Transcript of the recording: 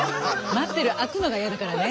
待ってる空くのが嫌だからね。